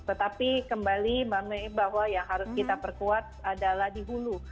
tetapi kembali bahwa yang harus kita perkuat adalah di hulu